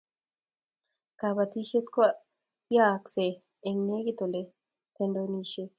kabatishiet ko ayaksee eng negit ole sendonishiek